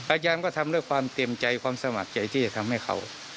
อาจารย์ก็ทำด้วยความเต็มใจความสมัครใจที่จะทำให้เขา